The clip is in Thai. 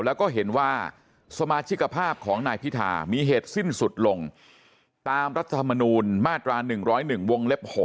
แล้วก็เห็นว่าสมาชิกภาพของนายพิธามีเหตุสิ้นสุดลงตามรัฐธรรมนูลมาตรา๑๐๑วงเล็บ๖